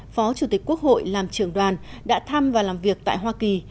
phó chủ tịch quốc hội làm trưởng đoàn đã thăm và làm việc tại hoa kỳ